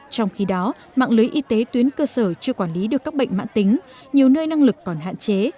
trong khi đó mạng lưới y tế tuyến cơ sở chưa quản lý được các bệnh mạng tính nhiều nơi năng lực còn hạn chế